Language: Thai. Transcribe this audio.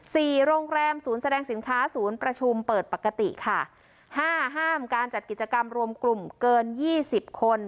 สี่โรงแรมศูนย์แสดงสินค้าศูนย์ประชุมเปิดปกติค่ะห้าห้ามการจัดกิจกรรมรวมกลุ่มเกินยี่สิบคน